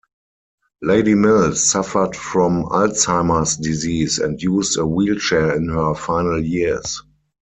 Lady Mills suffered from Alzheimer's disease and used a wheelchair in her final years.